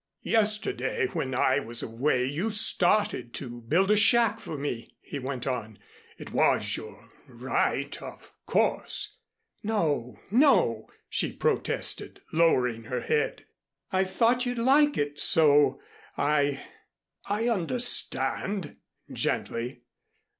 "Yesterday, when I was away you started to build a shack for me," he went on. "It was your right, of course " "No, no," she protested, lowering her head. "I thought you'd like it so, I " "I understand," gently.